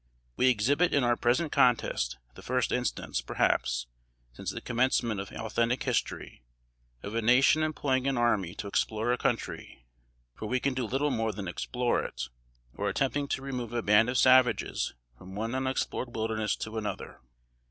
We exhibit in our present contest the first instance, perhaps, since the commencement of authentic history, of a nation employing an army to explore a country, (for we can do little more than explore it,) or attempting to remove a band of savages from one unexplored wilderness to another."